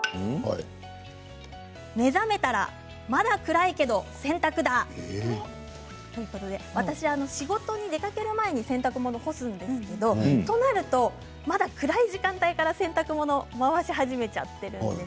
目覚めたらまだ暗いけど洗濯だということで私は仕事に出かける前に洗濯物を干すんですけれどそうなりますと暗い時間帯から洗濯を回し始めてしまっています。